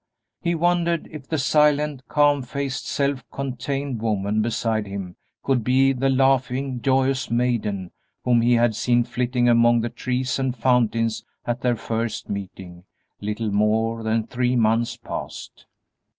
He wondered if the silent, calm faced, self contained woman beside him could be the laughing, joyous maiden whom he had seen flitting among the trees and fountains at their first meeting little more than three months past.